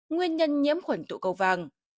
nguyên nhân nhiễm khuẩn tụ cầu vàng